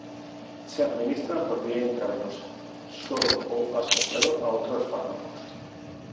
Se administra por vía intravenosa, solo o asociado a otros fármacos.